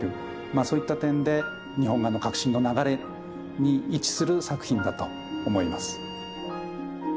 そういった点で日本画の革新の流れに位置する作品だと思います。